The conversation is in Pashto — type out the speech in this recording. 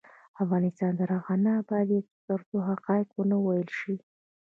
افغانستان تر هغو نه ابادیږي، ترڅو حقایق ونه ویل شي.